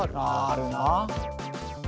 あるな。